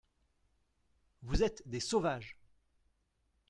Vous êtes des sauvages !